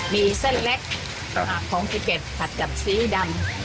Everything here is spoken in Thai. มีเส้นแรกของพริเกษผัดกับสีดำ